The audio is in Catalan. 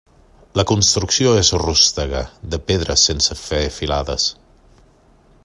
La construcció és rústega de pedres sense fer filades.